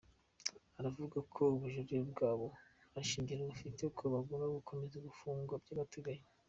Aravuga ko ubujurire bwabo nta shingiro bufite ko bagomba gukomeza gufungwa by’agateganyo.